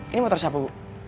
ini motor siapa bu